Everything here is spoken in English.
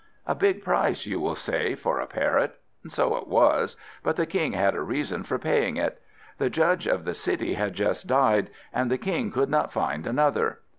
A big price, you will say, for a Parrot. So it was; but the King had a reason for paying it. The Judge of the City had just died, and the King could not find another.